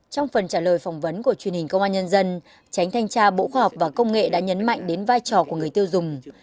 trong phần trả lời phỏng vấn của truyền hình công an nhân dân tránh thanh tra bộ khoa học và công nghệ đã nhấn mạnh đến vai trò của người tiêu dùng